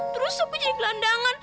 terus aku jadi gelandangan